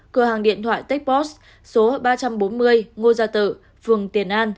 sáu cơ hàng điện thoại techpost số ba trăm bốn mươi ngô gia tự phường tiền an